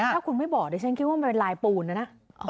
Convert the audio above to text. ถ้าคุณไม่บอกดิฉันคิดว่ามันเป็นลายปูนนะนะ